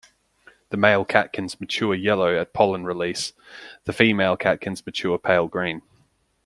The male catkins mature yellow at pollen release, the female catkins mature pale green.